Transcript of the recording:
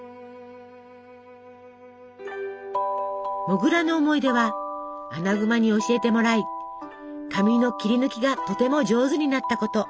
モグラの思い出はアナグマに教えてもらい紙の切り抜きがとても上手になったこと。